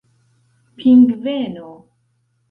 pingveno